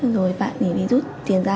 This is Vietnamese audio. rồi bạn ấy rút tiền ra